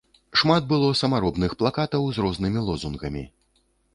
Шмат было самаробных плакатаў з рознымі лозунгамі.